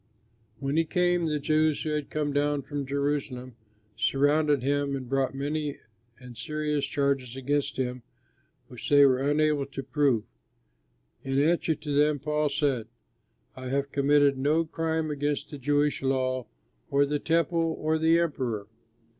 When he came, the Jews who had come down from Jerusalem surrounded him and brought many and serious charges against him which they were unable to prove. In answer to them Paul said, "I have committed no crime against the Jewish law or the Temple or the Emperor."